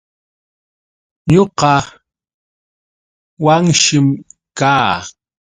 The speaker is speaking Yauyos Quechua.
Ñuqa Wanshim kaa.